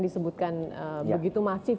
disebutkan begitu masif